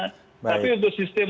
tapi untuk sistem